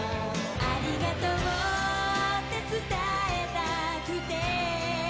「“ありがとう”って伝えたくて」